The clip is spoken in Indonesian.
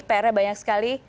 pr nya banyak sekali